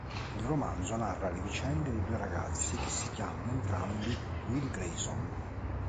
Il romanzo narra le vicende di due ragazzi che si chiamano entrambi Will Grayson.